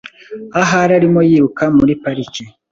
Ahari arimo yiruka muri parike .